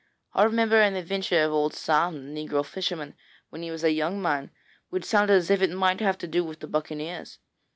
I remember an adventure of old Sam, the negro fisherman, when he was a young man, which sounded as if it might have to do with the buccaneers.